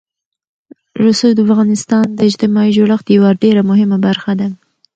رسوب د افغانستان د اجتماعي جوړښت یوه ډېره مهمه برخه ده.